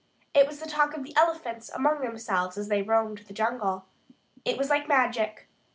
It was the talk of the elephants among themselves as they roamed the jungle. It was like magic.